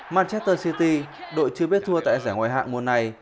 manchester city đội chưa biết thua tại giải ngoại hạng mùa này